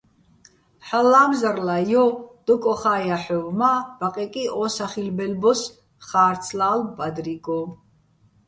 "ჰალო̆ ლა́მზარლა, ჲო!" - დო კოხა́ ჲაჰ̦ოვ, მა ბაყეკი ო სახილბელ ბოს ხა́რცლა́ლო̆ ბადრიგო.